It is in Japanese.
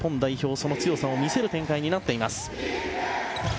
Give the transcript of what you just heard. その強さを見せる展開になっています。